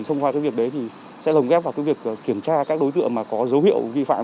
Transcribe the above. thông qua việc đấy sẽ lồng ghép vào việc kiểm tra các đối tượng có dấu hiệu vi phạm